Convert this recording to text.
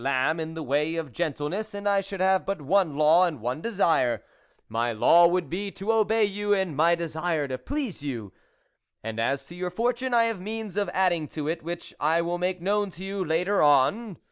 lamb in the way of gentleness, and I should have but one law and one desire, my law would be to obey you, my desire to please you ! and as to your fortune, I have means of adding to it which I will make known to you later on